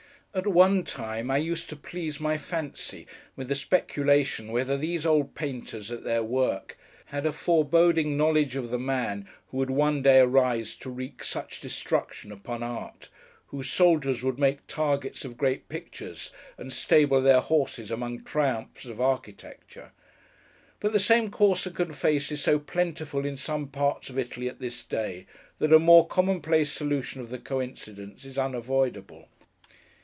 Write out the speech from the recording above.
At one time, I used to please my fancy with the speculation whether these old painters, at their work, had a foreboding knowledge of the man who would one day arise to wreak such destruction upon art: whose soldiers would make targets of great pictures, and stable their horses among triumphs of architecture. But the same Corsican face is so plentiful in some parts of Italy at this day, that a more commonplace solution of the coincidence is unavoidable.